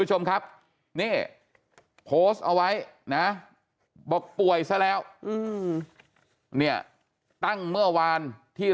คุณผู้ชมครับนี่โพสต์เอาไว้นะบอกป่วยซะแล้วเนี่ยตั้งเมื่อวานที่